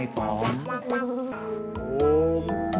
ไอป๊อมนะ